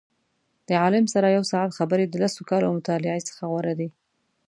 د عالم سره یو ساعت خبرې د لسو کالو مطالعې څخه غوره دي.